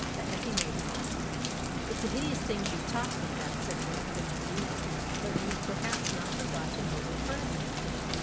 " That Effie may die ?"" It's a hideous thing to be talking about," said Mrs. Beever. "But you've perhaps not forgotten who were present